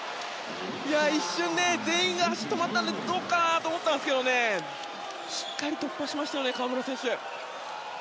一瞬、全員が足が止まったのでどうかなと思ったんですがしっかり突破しましたね河村選手。